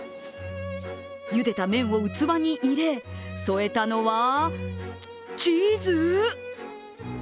ゆでた麺を器に入れ添えたのは、チーズ？